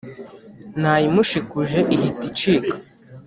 Nayimushikuje ihita icika